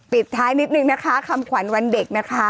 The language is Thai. ปิดท้ายนิดนึงนะคะคำขวัญวันเด็กนะคะ